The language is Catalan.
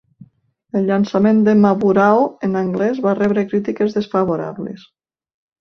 El llançament de "Maburaho" en anglès va rebre crítiques desfavorables.